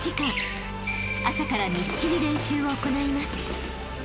［朝からみっちり練習を行います］